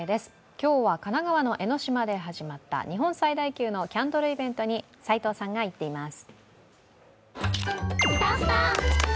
今日は神奈川の江の島で始まった日本最大級のキャンドルイベントに齋藤さんが行っています。